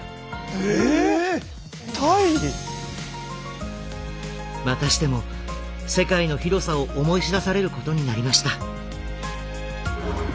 え⁉またしても世界の広さを思い知らされることになりました。